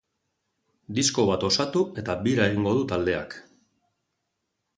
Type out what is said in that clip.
Disko bat osatu eta bira egingo du taldeak.